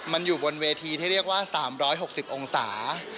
มันอยู่บนเวทีที่เรียกว่า๓๖๐องศา